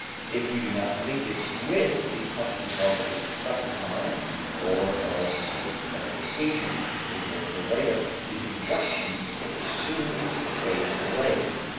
If we do not link it with the consciousness of a special time or of a special occasion which will occur later, the suggestion soon fades away.